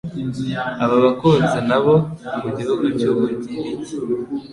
Aba bakunzi nabo mu gihugu cy'ubugiiriki